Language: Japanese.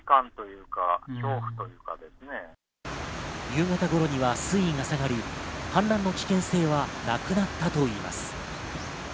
夕方頃には水位が下がり、氾濫の危険性はなくなったといいます。